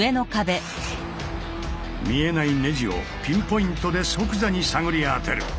見えないネジをピンポイントで即座に探り当てる。